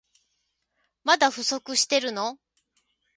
まだ不足してるの？